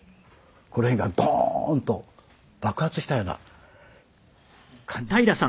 この辺がドーンと爆発したような感じだったんですね。